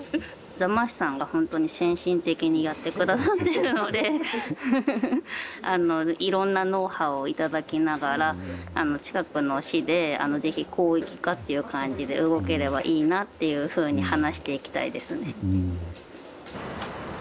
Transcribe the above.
座間市さんがほんとに先進的にやって下さってるのでいろんなノウハウを頂きながら近くの市で是非広域化っていう感じで動ければいいなっていうふうに話していきたいですね。